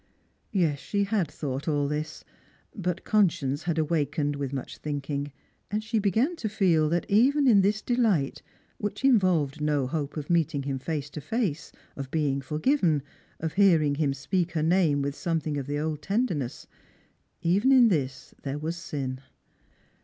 Yes, she had thought all this, but conscience had awakened with much thinking, and phe began to feel that even in this delight, which involved no hope of meeting him face to face, of being forgiven, of hearing him speak her name with something of the old tenderness — even in this there was sin.